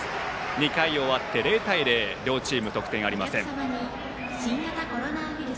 ２回終わって０対０と両チーム得点はありません。